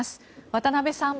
渡辺さん。